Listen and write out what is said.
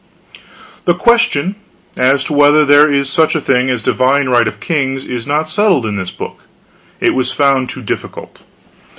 The question as to whether there is such a thing as divine right of kings is not settled in this book. It was found too difficult.